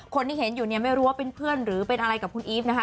คนที่เห็นอยู่เนี่ยไม่รู้ว่าเป็นเพื่อนหรือเป็นอะไรกับคุณอีฟนะคะ